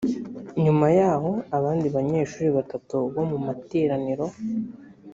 nyuma yaho abandi banyeshuri batatu bo mu materaniro